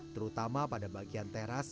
terutama pada bagian teras